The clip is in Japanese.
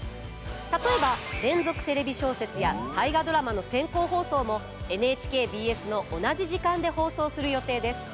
例えば「連続テレビ小説」や「大河ドラマ」の先行放送もＮＨＫＢＳの同じ時間で放送する予定です。